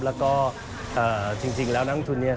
แล้วก็จริงแล้วนักลงทุนเนี่ย